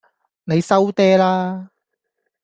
你收嗲啦